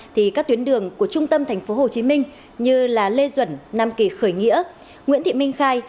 thì các tuyến đường của trung tâm thành phố hồ chí minh như là lê duẩn nam kỳ khởi nghĩa nguyễn thị minh khai